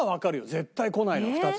絶対こないの２つは。